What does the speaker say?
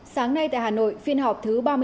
sáng nay tại hà nội phiên họp thứ ba mươi